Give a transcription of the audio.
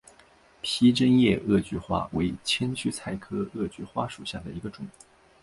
披针叶萼距花为千屈菜科萼距花属下的一个种。